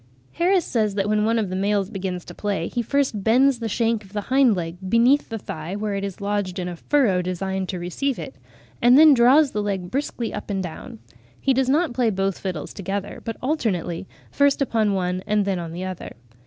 Harris (41. 'Insects of New England,' 1842, p. 133.) says that when one of the males begins to play, he first "bends the shank of the hind leg beneath the thigh, where it is lodged in a furrow designed to receive it, and then draws the leg briskly up and down. He does not play both fiddles together, but alternately, first upon one and then on the other."